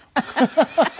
ハハハハ。